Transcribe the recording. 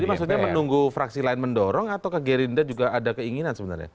jadi maksudnya menunggu fraksi lain mendorong atau ke gerinda juga ada keinginan sebenarnya